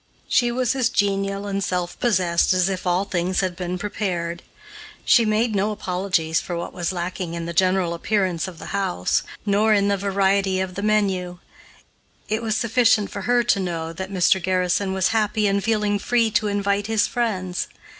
She was as genial and self possessed as if all things had been prepared. She made no apologies for what was lacking in the general appearance of the house nor in the variety of the menu it was sufficient for her to know that Mr. Garrison was happy in feeling free to invite his friends.